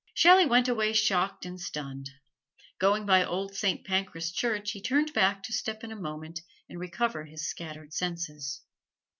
Shelley went away shocked and stunned. Going by Old Saint Pancras Church he turned back to step in a moment and recover his scattered senses.